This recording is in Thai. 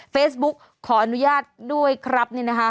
เฟซบุ๊กขออนุญาตด้วยครับนี่นะคะ